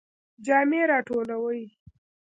جامی را ټولوئ؟